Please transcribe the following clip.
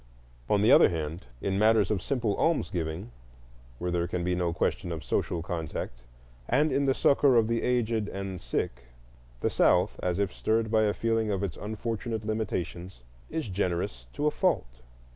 On the other hand, in matters of simple almsgiving, where there can be no question of social contact, and in the succor of the aged and sick, the South, as if stirred by a feeling of its unfortunate limitations, is generous to a fault.